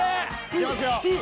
いけますよ